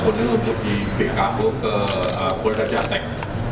untuk di bku ke polda jateng